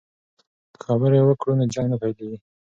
که خبرې وکړو نو جنګ نه پیلیږي.